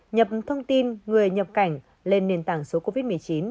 nhập thông tin người nhập cảnh lên nền tảng số covid một mươi chín